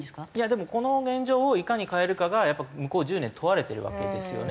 でもこの現状をいかに変えるかがやっぱり向こう１０年問われてるわけですよね。